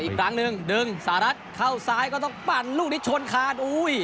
อีกครั้งนึงดึงสาดัดเพราะเข้าซ้ายก็ต้องปั่นลูกอันนี้ชนคาด